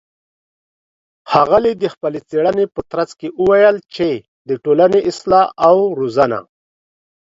ښاغلى د خپلې څېړنې په ترڅ کې وويل چې د ټولنې اصلاح او روزنه